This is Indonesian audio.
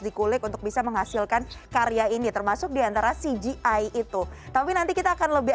dikulik untuk bisa menghasilkan karya ini termasuk diantara cgi itu tapi nanti kita akan lebih